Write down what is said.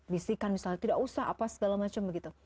bisikan misalnya tidak usah apa segala macam begitu